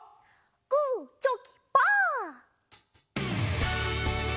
「グーチョキパー」。